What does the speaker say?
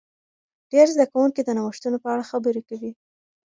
ډیر زده کوونکي د نوښتونو په اړه خبرې کوي.